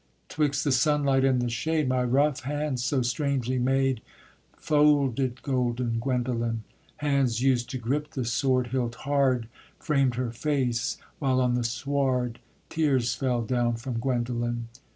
'Twixt the sunlight and the shade, My rough hands so strangely made, Folded Golden Guendolen. Hands used to grip the sword hilt hard, Framed her face, while on the sward Tears fell down from Guendolen.